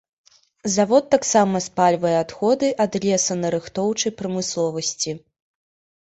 Завод таксама спальвае адходы ад лесанарыхтоўчай прамысловасці.